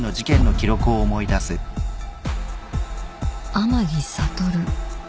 天樹悟